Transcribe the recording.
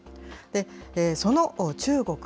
その中国。